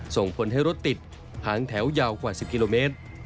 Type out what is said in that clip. ส่งผลให้รถติดหางแถวยาวกว่า๑๐กิโลเมตร